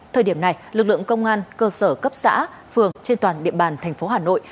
thời điểm này lực lượng công an cơ sở cấp xã phường trên toàn địa bàn tp hà nội